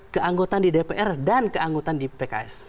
keanggotaan di dpr dan keanggotaan di pks